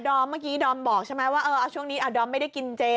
อมเมื่อกี้ดอมบอกใช่ไหมว่าช่วงนี้ดอมไม่ได้กินเจ